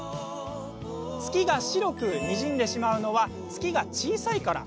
月が白くにじんでしまうのは月が小さいから。